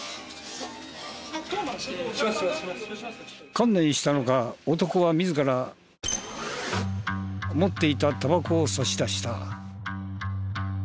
観念したのか男は自ら持っていたタバコを差し出した。